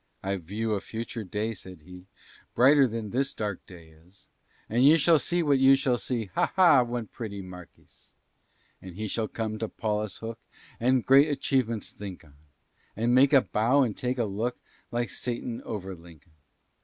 "I view a future day," said he, "Brighter than this dark day is; And you shall see what you shall see, Ha! ha! one pretty Marquis! "And he shall come to Paulus Hook, And great achievements think on; And make a bow and take a look, Like Satan over Lincoln.